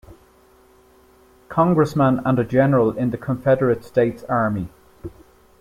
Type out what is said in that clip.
Congressman and a general in the Confederate States Army.